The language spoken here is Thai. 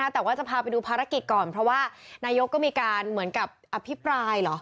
แต่ว่าจะพาไปดูภารกิจก่อนเพราะว่านายกก็มีการเหมือนกับอภิปรายเหรอ